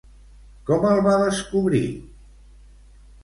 Com el va descobrir?